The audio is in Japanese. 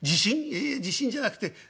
「いや地震じゃなくて。